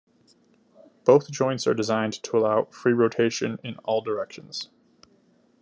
Both joints are designed to allow free rotation in all directions.